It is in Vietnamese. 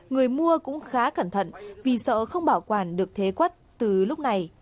người mua cũng khá cẩn thận vì sợ không bảo quản được thế quất từ lúc này